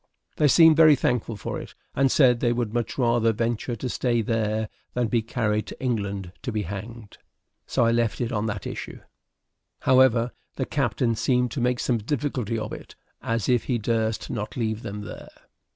They seemed very thankful for it, and said they would much rather venture to stay there than be carried to England to be hanged. So I left it on that issue. However, the captain seemed to make some difficulty of it, as if he durst not leave them there.